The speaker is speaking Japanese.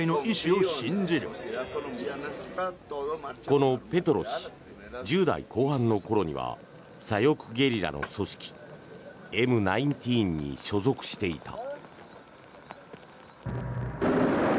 このペトロ氏１０代後半の頃には左翼ゲリラの組織Ｍ−１９に所属していた。